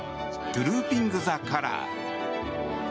トゥルーピング・ザ・カラー。